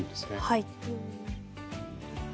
はい。